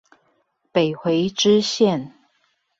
北回支線